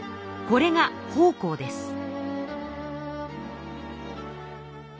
これが奉公です。